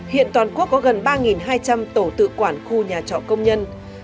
hiện toàn quốc có gần ba hai trăm linh tổ tự quản khu nhà trọ công nhân